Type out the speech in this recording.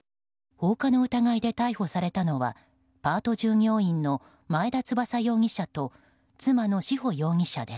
放火の疑いで逮捕されたのはパート従業員の前田翼容疑者と妻の志保容疑者です。